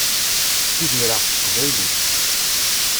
Ttidireɣ s teqbaylit.